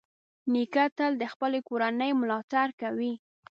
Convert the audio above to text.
نیکه تل د خپلې کورنۍ ملاتړ کوي.